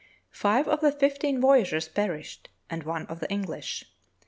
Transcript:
Five of the fifteen voyageurs perished and one of the English.